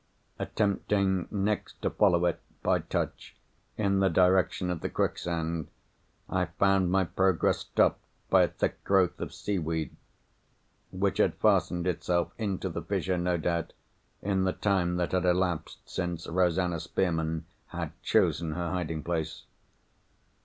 Attempting, next, to follow it, by touch, in the direction of the quicksand, I found my progress stopped by a thick growth of seaweed—which had fastened itself into the fissure, no doubt, in the time that had elapsed since Rosanna Spearman had chosen her hiding place.